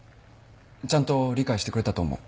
ちゃんと理解してくれたと思う。